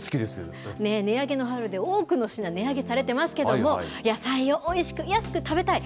値上げの春で、多くの品、値上げされてますけども、野菜をおいしく安く食べたい。